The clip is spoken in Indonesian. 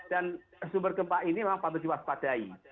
dan sumber gempa ini memang patut diwaspadai